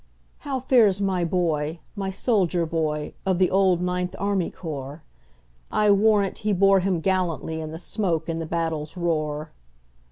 "How fares my boy,—my soldier boy, Of the old Ninth Army Corps?I warrant he bore him gallantlyIn the smoke and the battle's roar!"